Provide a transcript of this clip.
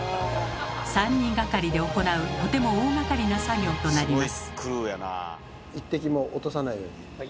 ３人がかりで行うとても大がかりな作業となります。